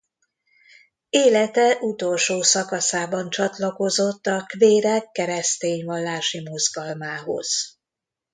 Élete utolsó szakaszában csatlakozott a kvékerek keresztény vallási mozgalmához.